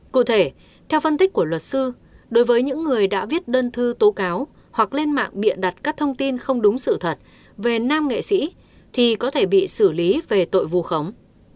cụ thể theo phân tích của luật sư đối với những người đã viết đơn thư tố cáo hoặc lên mạng bịa đặt các thông tin không đúng sự thật về nam nghệ sĩ thì có thể bị xử lý về tội vu khống